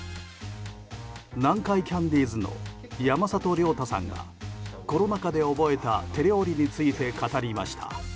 南海キャンディーズの山里亮太さんがコロナ禍で覚えた手料理について語りました。